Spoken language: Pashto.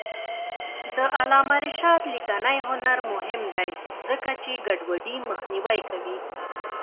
د علامه رشاد لیکنی هنر مهم دی ځکه چې ګډوډي مخنیوی کوي.